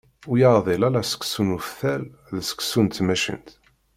Ur yeɛdil ara seksu n uftal d seksu n tmacint.